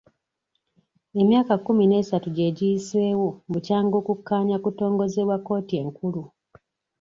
Emyaka kkumi n'esatu gye giyiseewo bukyanga okukkaanya kutongozebwa kkooti enkulu.